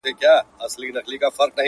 • ته مي د ښكلي يار تصوير پر مخ گنډلی.